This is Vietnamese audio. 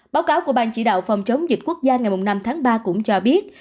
báo cáo của ban chỉ đạo phòng chống dịch quốc gia ngày năm tháng ba cũng cho biết